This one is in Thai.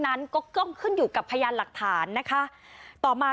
ยิงเท่ารถอะนะยิงปลาทิพย์